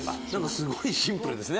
すごいシンプルですね